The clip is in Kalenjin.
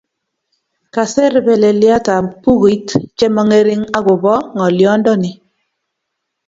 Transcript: Kaser belelietab bukuit che mongering agobo ngolyondoni